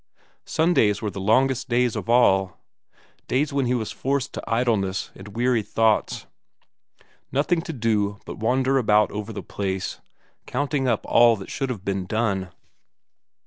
Sundays were the longest days of all, days when he was forced to idleness and weary thoughts; nothing to do but wander about over the place, counting up all that should have been done.